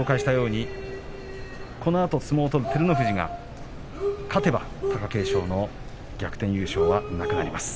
このあと相撲を取る照ノ富士が勝てば貴景勝の逆転優勝はなくなります。